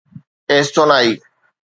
ايستونائي